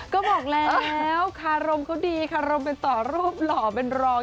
ก็บอกแล้วคารมเขาดีคารมเป็นต่อรูปหล่อเป็นรอง